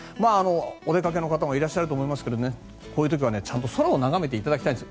お出かけの方もいらっしゃると思いますがこういう時は、ちゃんと空を眺めていただきたいんです。